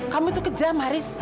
kamu itu kejam haris